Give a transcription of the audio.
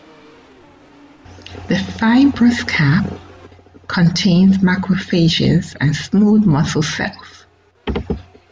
The fibrous cap contains macrophages and smooth muscle cells.